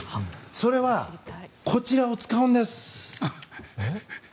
それはこちらを使うんです。